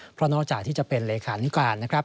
เพราะนอกจากที่จะเป็นเลขานิการนะครับ